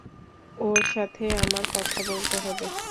ওর সাথে আমার কথা বলতে হবে।